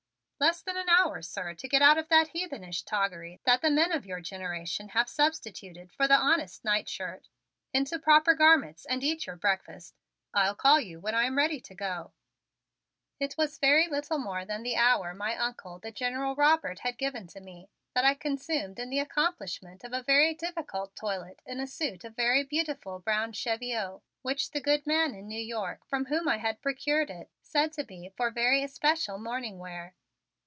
"Less than an hour, sir, to get out of that heathenish toggery that the men of your generation have substituted for the honest nightshirt, into proper garments, and eat your breakfast. I'll call you when I am ready to go." It was very little more than the hour my Uncle, the General Robert, had given to me, that I consumed in the accomplishment of a very difficult toilet in a suit of very beautiful brown cheviot which the good man in New York from whom I had procured it had said to be for very especial morning wear.